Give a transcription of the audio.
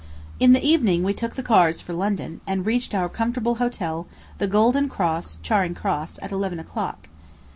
In the evening, we took the cars for London, and reached our comfortable hotel, the Golden Cross, Charing Cross, at eleven o'clock.